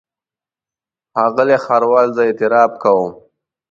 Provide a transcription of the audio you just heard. ښاغلی ښاروال زه اعتراف کوم.